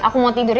aku mau tidur ya